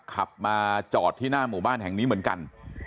ขับมาจอดที่หน้าหมู่บ้านแห่งนี้เหมือนกัน